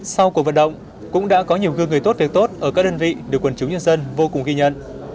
sau cuộc vận động cũng đã có nhiều gương người tốt việc tốt ở các đơn vị được quần chúng nhân dân vô cùng ghi nhận